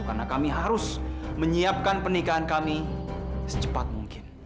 karena kami harus menyiapkan pernikahan kami secepat mungkin